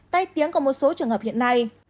tay tiếng của một số trường hợp hiện nay